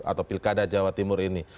atau pilkada jawa timur ini